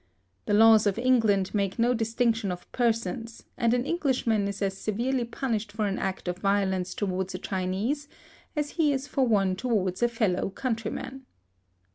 The laws of England make no distinction of persons, and an Englishman is as severely punished for an act of violence towards a Chinese as he is for one towards a fellow countryman.